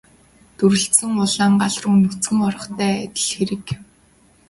Дүрэлзсэн улаан гал руу нүцгэн орохтой л адил хэрэг.